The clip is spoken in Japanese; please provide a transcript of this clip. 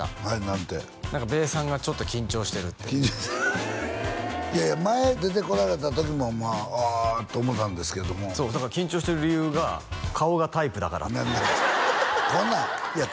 何かべーさんがちょっと緊張してるっていやいや前出てこられた時もまあ「あ」と思ったんですけどもそうだから緊張してる理由が顔がタイプだからこんなんいや